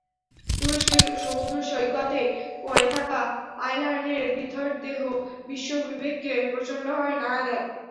তুরস্কের সমুদ্রসৈকতে পড়ে থাকা আয়লানের নিথর দেহ বিশ্ববিবেককে প্রচণ্ডভাবে নাড়া দেয়।